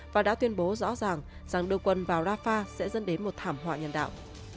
và đã tuyên bố rõ ràng rằng đưa quân vào rafah sẽ dẫn đến một thảm họa nhân đạo